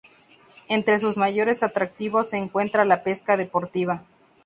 Entre sus mayores atractivos se encuentra la pesca deportiva.